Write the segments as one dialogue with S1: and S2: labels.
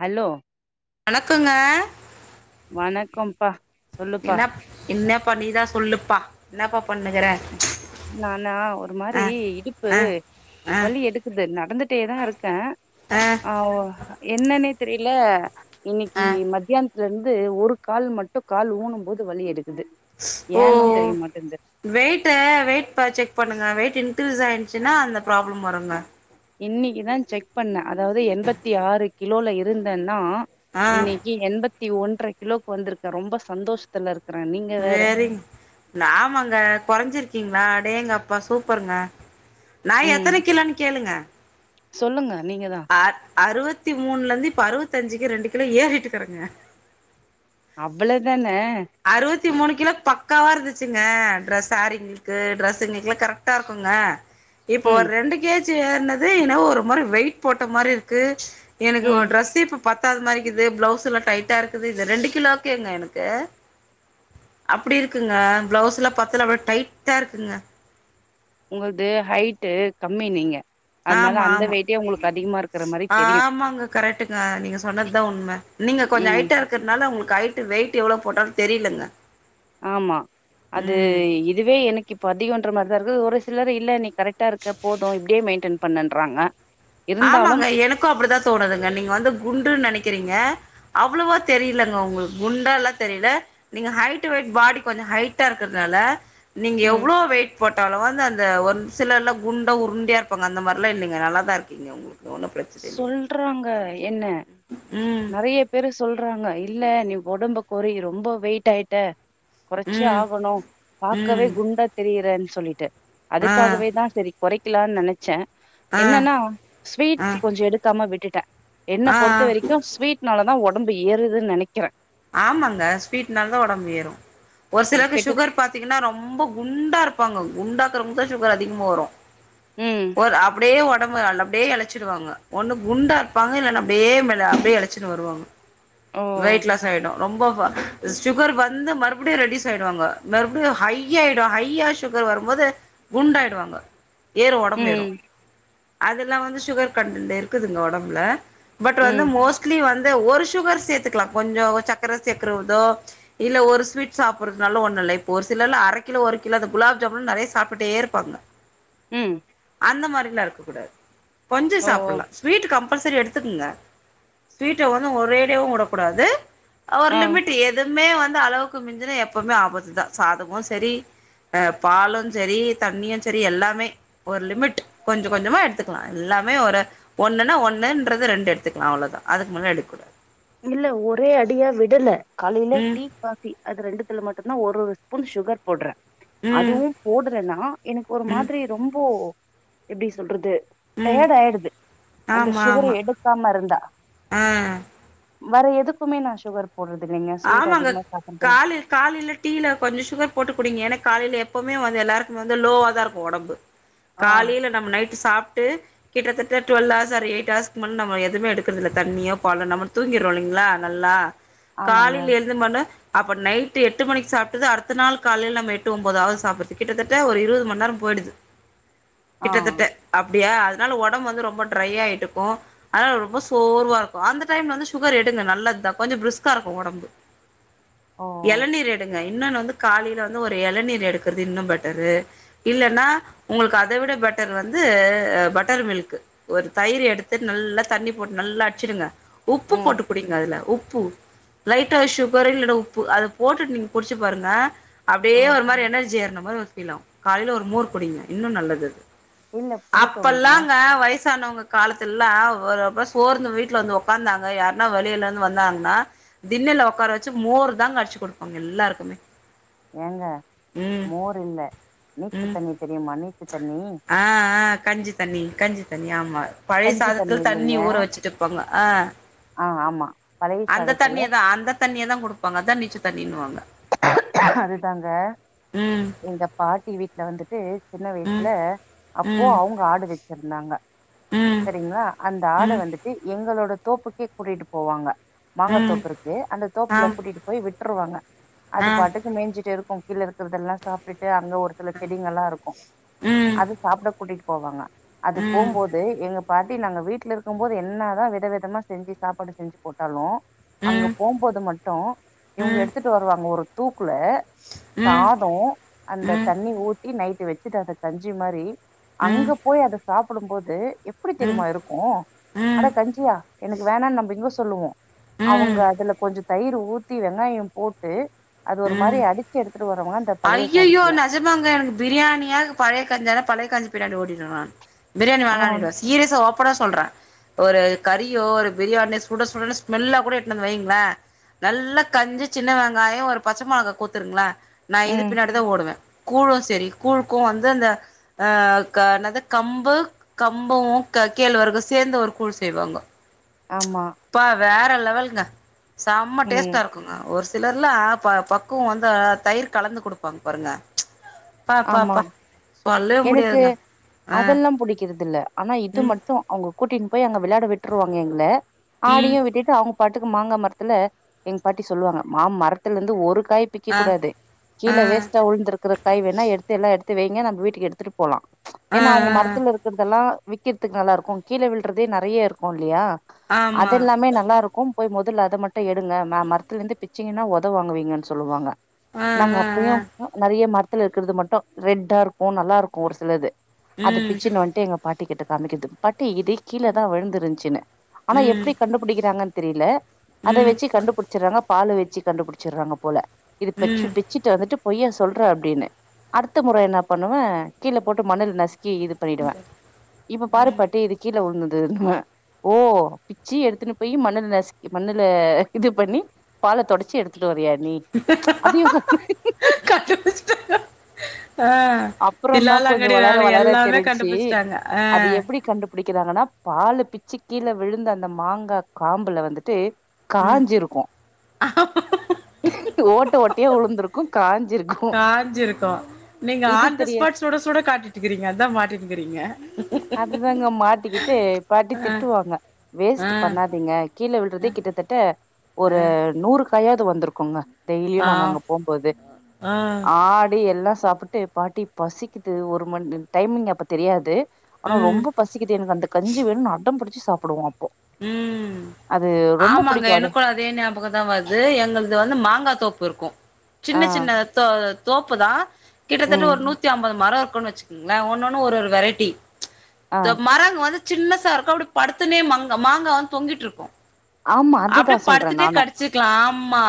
S1: Hello
S2: வணக்கங்க
S1: வணக்கம்ப்பா சொல்லுப்பா
S2: என்ன என்னப்பா நீதா சொல்லுப்பா என்னப்பா பண்ணிணுக்கற
S1: ம் நானா ஒரு மாரி இடுப்பு
S2: ஆ ஆ
S1: வலி எடுக்குது நடந்துட்டேதா இருக்கே ஆ என்னன்னே தெரியல
S2: ஆ
S1: இன்னக்கி மத்தியானத் துல இருந்து ஒரு கால் மட்டு கால் ஊனும் போது வலி எடுக்குது ஏன்னு தெரியமாட்டேன்ந்து
S2: வெயிட் வெயிட் செக் பண்ணுங்க வெயிட் இன்க்ரீஸ் ஆயிருந்துச்சினா அந்த ப்ராப்ளம் வருங்க
S1: இன்னிக்கிதா செக் பண்ணே அதாவது எண்பத்தி ஆறு கிலோல இருந்தேன்னா
S2: ஆ
S1: இன்னக்கி எண்பத்தி ஒன்ர கிலோக்கு வந்திருக்கே ரொம்ப சந்தோஷத்துல இருக்
S2: வேரிங் நாமங்க கொறைஞ்சிருக்கீங்களா அடேங்கப்பா சூப்பருங்க நா
S1: ம்
S2: எத்தன கிலோன்னு கேளுங்க
S1: சொல்லுங்க நீங்க தா
S2: அறு அறுவத்தி மூணுல இருந்து இப்ப அறுவத்தஞ்சிக்கு ரெண்டு கிலோ ஏறிட்டுருக்கறேங்க
S1: அவ்வளதான
S2: அறுவத்தி மூணு கிலோ பக்காவா இருந்துச்சுங்க டிரஸ் சாரிங்க ளுக்கு டிரரெஸ்ங்களுக்கு எல்லா கரெக்டா இருக்குங்க இப்ப
S1: ம்
S2: ஒரு ரெண்டு கேஜி ஏர்னது என்னவோ ஒரு மாரி வெயிட் போட்ட மாரி இருக்கு எனக்கு ஒரு
S1: ம்
S2: ட்ரெஸ்சே இப்ப பத்தாதது மாரிக்கிது ப்ளவுஸ் எல்லா டைட்டா இருக்குது இந்த ரெண்டு கிலோக்கேங்க எனக்கு அப்டி இருக்குங்க பிளவுஸ் எல்லா பாத்தல அப்டியே டைட்டா இருக்குங்க
S1: உங்கள்து ஹைட் கம்மி நீங்க அதனால
S2: ஆமா
S1: அந்த
S2: ஆமா
S1: வெயிட்டே உங்களுக்கு அதிகமா இருக்கிற மாரி தெரியு
S2: ஆமாங்க கரெக்டுங்க நீங்க சொன்னதுதா உண்ம நீங்க கொஞ்சோ
S1: ம்
S2: ஹைட்டா இருக்கறதுனால உங்களுக்கு ஹைட்டு வெயிட் எவ்ளோ போட்டாலு தெரியலங்க
S1: ஆமா அது இதுவே எனக்கு இப்ப அதிகன்ற மாரிதா இருக்குது ஒரு சிலர் இல்ல நீ கரெக்டா இருக்க போது இப்டியே மெயின்டெயன் பண்ணுன்றாங்க இருந்தாலும்
S2: ஆமாங்க எனக்கு அப்டிதா தோணுதுங்க நீங்க வந்து குண்டுன் நெனக்கிறீங்க அவ்ளவா தெரியலங்க ஒங்ளுக் குண்டால்லா தெரில நீங்க ஹைட்டு வெயிட் பாடி கொஞ்சோ ஹைட்டா இருக்றதுனால நீங்க
S1: ம்
S2: எவ்ளோ வெயிட் போட்டாலு வந்து அந்த ஒர் சிலர்லா குண்டா உருண்டயா இருப்பாங்க அந்த மார்லா இல்லங்கே நல்லா தா இருக்கீங்க உங்ளுக் ஒன்னு பிரச்
S1: சொல்றாங்க என்ன
S2: ம்.
S1: நெறய பேரு சொல்றாங்க இல்ல நீ ஒடம்ப கொறி ரொம்ப வெயிட் ஆயிட்ட கொறச்சே
S2: ம்.
S1: ஆகணு பாக்கவே
S2: ம்.
S1: குண்டா தெரியுறன் சொல்லிட்டு
S2: ஆ.
S1: அதுக்காகவே தா செரி கொறைக்லான் நெனச்சே
S2: ஆ.
S1: என்னன்னா ஸ்வீட்
S2: ஆ. ஆ.
S1: ஸ் கொஞ்சோ எடுக்காமா விட்டுட்டே என்ன
S2: ஆ.
S1: பொறுத்த வரைக்கு ஸ்வீட்னாலதா ஒடம்பு ஏறுதுன் நெனைக்கிறே
S2: ஆமாங்க ஸ்வீட்னால தா ஒடம்பு ஏறு ஒரு சிலருக்கு
S1: கெட்டு
S2: சுகர் பாத்தீங்கன்னா ரொம்ப குண்டா இருப்பாங்க குண்டாக்குறவங்ளுக்கு தா சுகர் அதிகமா வரு
S1: ம்
S2: ஒர் அப்டியே ஒடம்பு அல்ல அப்டியே எழச்சுருவாங்க ஒன்னு குண்டா இர்ப்பாங்க இல்லனா அப்டியே மெல் அப்டியே எழச்சுனு வருவாங்க
S1: ஓ!
S2: வெயிட்லாஸ் ஆயிடு ரொம்ப சுகர் வந்து மறுப்டியு ரெடியூஸ் ஆயிடுவாங்க மறுப்டியு ஹைய் ஆயிடு ஹைய்யா சுகர் வருபோது குண்டாயிடுவாங்க ஏறு ஒடம்பு ஏறு
S1: ம்,
S2: அதுல்ல வந்து சுகர் கண்டன்ட் இருக்குதுங்க ஒடம்புல பட் வந்து
S1: ம்,
S2: மோஸ்ட்லி வந்து ஒரு சுகர் சேத்துக்லா கொஞ்சோ சக்கர சேக்றதோ இல்ல ஒரு ஸ்வீட் சாப்புறதுனால ஒண்ணு இல்ல இப்ப ஒரு சிலர்ல அர கிலோ ஒரு கிலோ அந்த குலாப் ஜாமுன் நெறைய சாப்ட்டுடே இருப்பாங்க
S1: ம்
S2: அந்த மாரிலா இருக்க கூடாது கொஞ்சோ
S1: ஓ! ஓ!
S2: சாப்புலா ஸ்வீட் கம்பல்சரி எடுத்துக்குங்க ஸ்வீட்ட வந்து ஒரேடியாவு வுடகூடாது ஒரு
S1: ஆ.
S2: லிமிட் எதுமே வந்து அளவுக்கு மிஞ்சுன எப்போமே ஆபத்துதா சாதமு செரி அ பாலு செரி தண்ணியு செரி எல்லாமே ஒரு லிமிட் கொஞ்ச கொஞ்சமா எடுத்துக்லா எல்லாமே ஒரு ஒன்னுன்னா ஒன்னுன்றது ரெண்டு எடுத்துக்லா அவ்ளோதா அதுக் மேல எடுக் கூடாது
S1: இல்ல ஒரே அடியா விடல காலைலே
S2: ம்
S1: டீ காஃபி அது ரெண்டுத்துல மட்டுதா ஒரு ஒரு ஸ்பூன் சுகர் போட்றே
S2: ம்
S1: அதுவு போட்றேனா எனக்கு ஒரு
S2: ம்
S1: மாத்ரி ரொம்போ எப்டி சொல்றது
S2: ம்
S1: டயர்ட் ஆயிடுது அந்த
S2: ஆமா
S1: சுகர்
S2: ஆமா
S1: எடுக்காம இருந்தா
S2: ஆ
S1: வேற எதுக்குமே நா சுகர் போட்றது இல்லைங்க ஸ்வீட் அதிகமா சாப்புறதுல
S2: காலைல டீல கொஞ்சோ சுகர் போட்டு குடிங்க ஏன்னா காலைல எப்பவ்மே வந்து எல்லாருக்கு வந்து லோவாதா இருக்கு ஒடம்பு
S1: ஆ
S2: காலைல நம் நைட்டு சாப்ட்டு கிட்டத்தட்ட ட்வெல் ஹார்ஸ் வரை எயிட் ஹார்ஸ்கு முன் நம்ம எதுமே எடுக்றதுல்ல தண்ணியோ பாலோ நம்ம தூங்கிறோ இல்லைங்ளா நல்லா
S1: ஆமாங்க.
S2: காலைல எழ்ந் பண்ண அப்போ நைட்டு எட்டு மணிக் சாப்ட்டது அடுத்த நாள் காலைல நம்ம எட்டு ஒன்பதாவ்து சாப்புறதுக் கிட்டத்தட்ட ஒரு இருவது மண்ணேரோ போய்டுது
S1: ஆ
S2: கிட்டத்தட்ட அப்டியா அத்னால ஒடம்பு வந்து ரொம்ப ட்ரை ஆய்ட்டுருக்கு அதனால ரொம்ப சோர்வா இருக்கு அந்த டைம்ல வந்து சுகர் எடுங்க நல்லத்தா கொஞ்சோ ப்ரிஸ் கா இருக்கு ஒடம்பு
S1: ஓ!
S2: எளநீர் எடுங்க இன்னொன்னு வந்து காலைல வந்து ஒரு எளநீர் எடுக்றது இன்னு பெட்டரு இல்லன்னா உங்களுக்கு அதவிட பெட்டர் வந்து பட்டர் மில்க்கு ஒரு தயிர் எடுத்து நல்லா தண்ணி போட்டு நல்லா அட்ச்சிடுங்க உப்பு
S1: ம்.
S2: போட்டு குடிங்க அதுல உப்பு லைட்டா சுகர் இல்லனா உப்பு அத போட்டுட் நீங்க குடிச்சு பாருங்க
S1: ஆ
S2: அப்டியே ஒரு மாரி எனர்ஜி ஏர்ன மாரி ஒரு ஃபீல் ஆகு காலைல ஒரு மோர் குடிங்க இன்னு நல்லது அது
S1: இல்ல புடிக்குங்க.
S2: அப்பல்லாங்க வயசு ஆனவ்ங்க காலத்துல்லா ஒரு அப்பதா சோர்ந்து வீட்ல வந்து உக்காந்தாங்க யாருனா வெளில இருந்து வந்தாங்னா திண்ணல்ல உக்கார வச்சு மோர் தான்ங்கடிச்சி குடுப்பாங்க எல்லார்க்குமே
S1: ஏங்க மோர் இல்ல நீச்ச
S2: ம்
S1: தண்ணி தெரிமா நீச்ச தண்ணி
S2: ஆ ஆ கஞ்சி தண்ணி கஞ்சி தண்ணி ஆமா பழைய
S1: கஞ்சி
S2: சாதத்ல தண்ணி
S1: இல்லைங்க.
S2: ஊற வச்சுட்டு பங்க ஆ
S1: ஆ ஆமா பழைய சாதத்துல
S2: தண்ணியதா குடுப்பாங்க அதா நீச்ச தண்ணின் வாங்க
S1: அதுதாங்க
S2: ம்
S1: எங்க பாட்டி வீட்ல வந்துட்டு சின்ன
S2: ம்
S1: வயசுல அப்போ
S2: ம்
S1: அவ்ங்க ஆடு வச்சிருந்தாங்க
S2: ம்
S1: சரிங்ளா அந்த ஆட
S2: ம்
S1: வந்துட்டு எங்களோட தோப்புக்கே கூட்டிட்டு போவாங்க
S2: ம்
S1: மாங்கத்தோப்பு இருக்கு அந்த தோப்புல
S2: ஆம்
S1: கூட்டிட்டு போய் விட்ருவாங்க அது
S2: ஆ
S1: பாட்டுக்கு மேஞ்சிட்ருக்கு கீழ இருக்றதுல்லா சாப் அங்க ஒரு சில செடிங்கல்லா இருக்கு
S2: ம்
S1: அது சாப்ட கூடிட்டு போவாங்க அது
S2: ம்
S1: போபோது து எங்க பாட்டி நாங்க வீட்ல இருக்கு போது என்னாதா வித விதமா செஞ்சு சாப்பாடு செஞ்சு போட்டாலு அங்க
S2: ம்
S1: போம் போது மட்டு
S2: ம்
S1: இவ்ங்க
S2: ம்
S1: எடுத்துட்டு வருவாங்க ஒரு தூக்குல
S2: ம்
S1: சாதோ
S2: ம்
S1: அந்த தண்ணி ஊத்தி நைட்டு வச்சிட்டு அத கஞ்சி மாரி அங்க
S2: ம்
S1: போய் அத சாப்புடு போது எப்டி
S2: ம்
S1: தெரியுமா இருக் கு அட
S2: ம்
S1: கஞ்சியா எனக்கு வேணான் நம்ப இங்க சொல்லுவோ அவுங்க
S2: ம்
S1: அதுல கொஞ்ச தயிர் ஊத்தி வெங்காய போட்டு அது ஒரு மாரி
S2: ம்
S1: அடிச்சு எடுத்துட்டு வரு வாங்க அந்த பழைய
S2: ஐயையோ
S1: சாதத்துல
S2: நெஜமாங்க எனக்கு பிரியாணியா பழைய கஞ்சியான பழைய கஞ்சி பின்னாடி ஓடிடுவே நானு பிரியாணி
S1: ஆ
S2: வேணானிடுவ ஈரியசா ஓப்பனா சொல்ற ஒரு கறியோ ஒரு பிரியாணியோ சுட சுடன்னு ஸ்மெல்லா கூட எடுத்துனுந்து வைங்ளே நல்லா கஞ்சி சின்ன வெங்காய ஒரு பச்ச மொளகா குடுத்துருங்ள நா இது
S1: ம்
S2: பின்னாடி க ஓடுவே கூழு சரி கூழுக்கு வந்து அந்த அ என்னது கம்பு கம்பு கே கேழ்வரகு சேர்ந்து ஒரு கூழ் செய்வாங்க
S1: ஆமா
S2: ப்பா வேற லெவலுங்க செம்ம
S1: ம்
S2: டேஸ்ட்டா இருக்கு ங்க ஒரு சிலர்லா ப பக்குவ வந்தா தயிர் கலந்து குடுப்பாங்க பாருங்க
S1: ஆமா
S2: அப்பாப்பாப்பா
S1: எனக்கு அதெல்லா புடிக்கிறதுல்ல ஆனா இது
S2: ம்
S1: மட்டு அவுங்க கூட்டின்னு போய் அங்க விளாட விட்ருவாங்க எங்கள
S2: ம்
S1: ஆடியு விட்டுட்டு அவுங் க பாட்டுக்கு மாங்க மரத்துல எங்க பாட்டி சொல்லுவாங்க மா மரத்துல இருந்து ஒரு காய்
S2: ஆ
S1: பிக்கக்கூடாது
S2: ஆ
S1: கீழ வேஸ்ட்டா உழுந்துருக்கிற காய் வேணா எடுத்து எல்லா எடுத்து வைங்க நம்ம வீட் எடுத்துட்டு போலா
S2: ஆ
S1: ஏன்னா அவுங்க
S2: ஆ
S1: மரத்துல இருக் கிறதெல்லா விக்கிறதுக்கு நல்லா இருக்கு கீழ விழுறதே நெறய இருக்குல்லயா
S2: ஆமா
S1: அதெல்லாமே நல்லாருக்கு போய் மொதல்ல அத மட்டு எடுங்க ம மரத்துல இருந்து பிச்சீங்கனா ஒத வாங்குவீங்கன் சொல்லுவாங்க
S2: ஆ
S1: நாங்க
S2: ஆ ஆ
S1: இப்பயும் நெறய மரத்துல இருக்குறது மட்டு ரெட்டா இருக்கு நல்லாருக்கு ஒரு சிலது அது
S2: ம்
S1: பிச்சுன்னு வந்துட்டு எங்க பாட்டி கிட்ட காமிக்குறது பாட்டி இது கீழ தா விழுந்திருந்துச்சுனு ஆனா
S2: ம்
S1: எப்டி கண்டு புடிக்கிறாங்கன் தெரில அத
S2: ம்
S1: வச்சு கண்டுபு டிச்சிடுறாங்க பால வச்சு கண்டுபுடிச்சிடுறாங்க போல இது பச்சு
S2: ம்
S1: பிச்சுட்டு வந்துட்டு பொய்யா சொல்ற அப்டின்னு அடுத்த மொற என்ன பண்ணுவ கீழ போட்டு மண்ணுல நசுக்கி இது பண்ணிடுவே இப்ப பாரு
S2: ம்
S1: பட்டு இது கீழ உழுந்ததுனுவே ஓ பிச்சி எடுத்துனு போய் மண்ணுல நசிக் மண்ணுல இது பண்ணி பால தொடச்சி எடுத்துட்டு வரியா நீ அதயும் [inaudible]
S2: கண்டுபுடிச்சிட்டாங்க ஆ
S1: அப்புறந்தா கொஞ்சோ
S2: தில்லாலங்கடி
S1: வளர
S2: வேல
S1: வளர
S2: எல்லாமே கண்டுபிடிச்சிட்டாங்க ஆ
S1: புடிக்குறாங்கன்னா பாலு பிச்சு கீழ விழுந்த அந்த மாங்கா காம்புல வந்துட்டு
S2: ம்
S1: காஞ்சிருக்கு ஓட்ட ஓட்டயா உளுந்திருக்கு காஞ்சிருக்கு
S2: காஞ்சிருக்கு நீங்க
S1: இது
S2: ஆன் த
S1: தெரியாது
S2: ஸ்பாட் சுட சுட காட்டிட்டுக்கீரிங்க அதா மாட்டிட் நிக்கீரிங்க
S1: அதுதாங்க மாட்டிக்கிட்டு பாட்டி திட்டுவாங்க வேஸ்ட் பண்ணாதீங்க கீழ விழுறதே கிட்டத்தட்ட
S2: ஆ
S1: ஒரு நூறு காயாவ்து வந்துருக்குங்க டெய்லியு
S2: ஆ
S1: நாங்க அங்க போம்போது
S2: ஆ
S1: ஆடு எல்லா சாப்பு ட்டு பாட்டி பசிக்குது ஒரு மண் டைமிங் அப்ப தெரியாது ஆனா
S2: ம்
S1: ரொம்ப பசி க்குது எனக்கு அந்த கஞ்சி வேணும்னு அடம் புடிச்சு சாப்பிடுவோ அப்போ
S2: ம்
S1: அது ரொம்ப
S2: ஆமாங்க
S1: புடிக்கு அது
S2: எனக்கு அதே ஞாபக தா வருது எங்களது வந்து மாங்கா தோப்பு இருக்கு சின்ன
S1: ஆ
S2: சின்ன தோ தோப்பு தா கிட்டத்தட்ட
S1: ம்
S2: ஒரு நூத்தி ஐம்பது மர இருக்குன்னு வச்சு ங்களே ஒன்னு ஒன்னு ஒரு ஒரு வெரைட்டி
S1: ஆ
S2: க மரங்க வந்து சின்னசா இருக்கு அப்டி படுத்துனே மங் மாங்கா வந்து தொங்கிட்டு இருக்கு
S1: ஆமா அதுதா
S2: அப்டியே
S1: சொல்றே
S2: படுத்துட்டே
S1: நானு
S2: கடிச்சிக்கலா ஆமா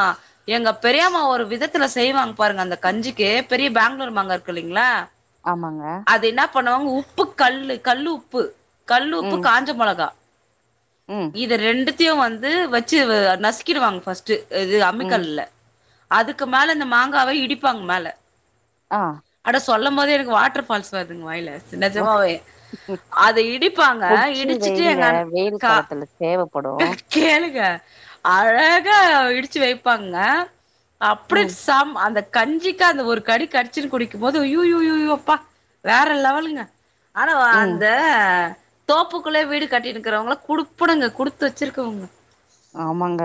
S2: எங்க பெரியாம ஒரு விதத்துல செய்வாங்க பாருங்க அந்த கஞ்சிக்கு பெரிய பேங்ளூரு மாங்க இருக்குல்லைங்களா
S1: ஆமாங்க
S2: அத என்ன பண்ணுவாங்க உப்பு கல்லு கல்லு உப்பு கல்லு உப்பு
S1: ம்
S2: காஞ்ச மொளகா
S1: ம்
S2: இது ரெண்டுத்தையு வந்து வச்சு நசிக்கிடுவாங்க ஃபஸ்ட்டு இது
S1: ம்
S2: அம்மிக்கல்ல அதுக்கு மேல இந்த மாங்காவ இடிப்பாங்க மேல
S1: ஆ
S2: அட சொல்லோ போதே எனக்கு வாட்டர் ஃபால்ஸ் வருதுங்க வாய்ல நிஜமாவே அது இடிப்பாங்க
S1: புடிச்சு
S2: இடிச்சுட்டு
S1: வைங்க
S2: எங்க
S1: வெயில்
S2: கா
S1: காலத்துல தேவப்படு
S2: கேளுங்க அழகா இடிச்சு வைப்பாங்க அப்டி
S1: ம்
S2: தாம் அந்த கஞ்சிக்கு அந்த ஒரு கடி கடிச்சுரு குடிக்கு போது ஐயூ ஐயூ ஐயூ யூ அப்பா வேற லெவலுங்க ஆனா வ
S1: ம்
S2: அந்த தோப்புக்குள்ள வீடு கட்டிருக்றவங்கள குடுப்பனங்க குடுப் த்து வச்சிருக்கவுங்க
S1: ஆமாங்க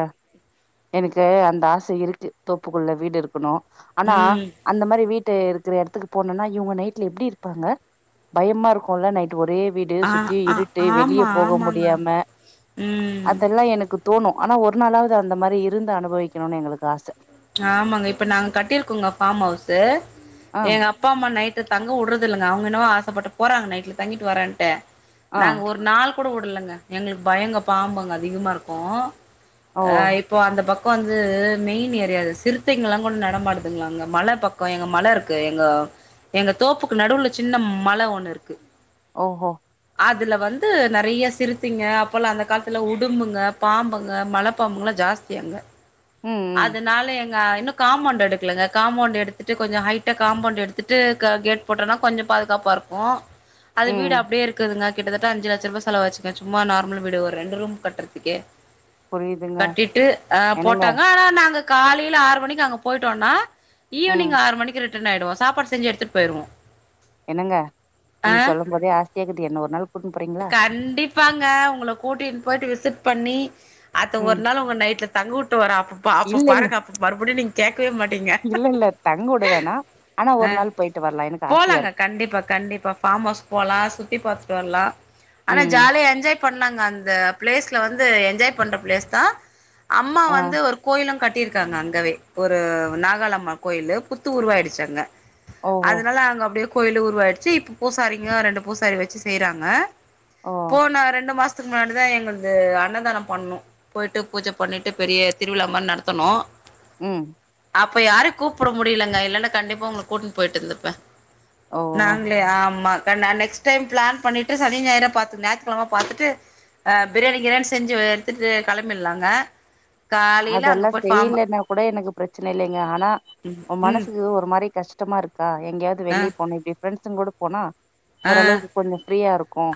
S1: எனக்கு அந்த ஆச இருக்கு தோப்புக்குள்ள வீடு இருக்கணு ஆனா
S2: ம்
S1: அந்த மாரி வீட்டு இருக்கிற எடத்துக்கு போனோன்னா இவுங்க நைட்ல எப்டி இருப்பாங்க பயமா இருக்கோல்ல நைட் ஒரே வீடு
S2: ஆ
S1: சுத்தி
S2: ஆ
S1: இருட்டு வெளியே
S2: ஆமா
S1: போக
S2: ஆமாங்க
S1: முடியாம
S2: ம்
S1: அதெல்லா எனக்கு தோணு ஆனா ஒரு நாளாவது அந்த மாரி இருந்து அனுபவிக்கணும்னு எங்களுக்கு ஆச
S2: ஆமாங்க இப்ப நாங்க கட்டிருக்கோங்க பாம் ஹவுசு
S1: ஆ
S2: எங்க அப் அப்பா அம்மா நைட் தங்க வுடுறது இல்லங்க அவங்க என்னவோ ஆசப்பட்டு போறாங்க நைட்ல தங்கிட்டு வரன்ட்டு
S1: ஆ
S2: நாங்க ஒரு நாள் கூட வுடலங்க எங்களுக்கு பயோங்க பாம்புங்க அதிகமா இருக்கோ
S1: ஓ
S2: ஆ இப்போ அந்த பக்ககோ வந்து மெயின் ஏ தெரியாது சிறுத்தைங்கல்லா கூட நடமாடுதுங்களா அங்க மல பக்கோ எங்க மல இருக்கு எங்க எங்க தோப்புக்கு நடுவுல சின்ன மல ஒன்னு இருக்கு
S1: ஓ ஓ
S2: அதுல வந்து நெறைய சிறுத்தைங்க அப்போல்லா அந்த காலத்துல உடும்புங்க பாம்புங்க மலப் மலப்பாம்புங்கல்லா ஜாஸ்தி அங்க
S1: ம் ம்
S2: அதனால எங்க இன்னு காம்பவுண்டு எடுக்கலங்க காம்பவுண்டு எடுத்துட்டு கொஞ்சோ ஹைட்டா காம்பவுண்டு எடுத்துட்டு க கேட் போட்டோனா கொஞ்சோ பாதுகாப்பா இருக்கு அது வீடு
S1: ம்
S2: அப்டியே இருக்குதுங்க கிட்டத்தட்ட அஞ்சு லட்ச ரூாவா செலவச்சுங்க சும்மா நார்மல் வீடு ஒரு ரெண்டு ரூம் கட்றதுகே
S1: புரியுதுங்க
S2: கட்டிட்டு ஆ
S1: என்னங்க
S2: போட்டாங்க ஆனா நாங்க காலில ஆறு மணிக்கு அங்க போயிட்டோனா ஈவ்னிங்
S1: ம்
S2: ஆறு மணிகு ரிட்டன் ஆயீடுவோ சாப்பாடு செஞ்சி எடுத்துட்டு போயிடுவோ
S1: என்னங்க நீங்க சொல்லும் போதே ஆசையாக்கிது என்ன ஒரு நாள் கூட்னு போறீங்ளா
S2: கண்டிப் ப்பாங்க உங்கள கூட்டின்னு போயிட்டு விசிட் பண்ணி அத்த ஒரு
S1: ம்
S2: நாள் உங்கள நைட்ல தங்கவுட்டு வர அப்போ பாப்போ
S1: இல்ல இல்ல
S2: பாருங்க அப்ப மறுபடி நீங்க கேட்கவே மாட்டீங்க
S1: இல்ல இல்ல தங்கவுடுவேனா ஆனா
S2: ஆ
S1: ஒரு நாள் போயிட்டு வர்லா எனக்கு ஆசையா
S2: போலாங்க
S1: இருக்கு
S2: கண்டிப்பா கண்டிப்பா ஃபாம் ஹவுஸ் போலா சுத்தி பாத்துட்டு வர்லா ஆனா
S1: ம்
S2: ஜாலியா என்ஜாய் பண்லாங்க அந்த பிளேஸ்ல வந்து என்ஜாய் பண்ற பிளேஸ் தா அம்மா
S1: ஆ
S2: வந்து ஒரு கோயிலு கட் கட்டிருக்காங்க அங்கவே ஒரு நாகாலம்மா கோயிலு புத்து உருவாயிடுச்சு அங்க
S1: ஓஹோ
S2: அதனால அங்க அப்டியே கோயிலு உருவாயிடுச்சி இப்ப பூசாரிங்க ரெண்டு பூசாரி வெச்சு செய்றாங்க
S1: ஓ
S2: போனா ரெண்டு மாஸ் க்கு முன்னாடி தா என்னது அன்னதானோ பண்ணௌ போயிட்டு பூஜ பண்ணிட்டு பெரிய திருவிழா மார் நடத் த்தனோ
S1: ம்
S2: அப்ப யாரயு கூப்புட முடியலங்க இல்லன்னா கண்டிப்பா உங்க கூட்னு போயிட்டு இருந்துருப்பே
S1: ஓ
S2: நாங்ளே ஆமா கா நா நெக்ஸ்ட் டைம் பிளான் பண்ணிட்டு சனி ஞாயிரா பாத்து ஞாயித்துகெழம பாத்துட்டு அ பிரியாணி கிரியாணி செஞ்சு எடுத்துட்டு கெளம்பில்லாங்க காலில அங்க போய் ஃபார்ம்
S1: செய்லேன்னா கூடோ எனக்கு பிரச்சன இல்லங்க ஆனா
S2: ம்
S1: உ
S2: ம்
S1: மனசுக்கு ஒரு மாரி கஷ்டமா இருக்கா எங்கயாது
S2: ஆ
S1: வெளியே போன இப்டி ஃப்ரண்ட்ஸ்ங்கலோட போனா
S2: ஆ
S1: ஓரளவுக்கு கொஞ்சோ ஃப்ரீயா இருக்கு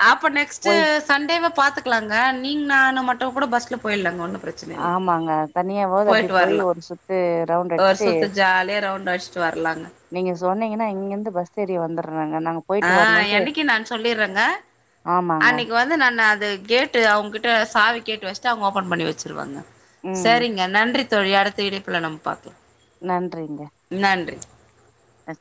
S1: போய்
S2: சண்டேவே பாத்துக்கலாங்க நீங்க நானு மட்டு கூட பஸ்ல போயில்லாங்க ஒன்னு பிரச்சன
S1: ஆமாங்க தனியாவாவது அப்டி
S2: போயிட்டு
S1: போய்
S2: வர்லா
S1: ஒரு சுத்து ரவுண்ட் அடிச்சுட்டு
S2: ஒருசுத்து ஜாலிய ரவுண்ட் அச்சி ட்டு வர்லாங்க
S1: நீங்க சொன்னீங்கன்னா இங்கிருந்து பஸ் ஏரி வந்துட்றேங்க நாங்க
S2: ஆ
S1: போயிட்டு வரணுன்ட்டு
S2: என்னைக்கி நான் சொல்லிறேங்க
S1: ஆமாங்க
S2: அன்னைக்கி வந் இல்ல நானு அது கேட்டு அவுங்க கிட்ட சாவி கேட்டு வெச்சிட்டு அவுங்க ஓபன் பண்ணி வெச்சிருவாங்க
S1: ம்
S2: செரிங்க நன்றி தோழி அடுத்த இணைப்புல நம்ம பாக்கலா
S1: நன்றிங்க
S2: நன்றி
S1: அ